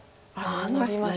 ノビました。